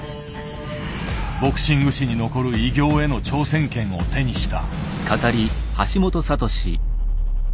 ボクシング史に残る偉業への挑戦権を手にした。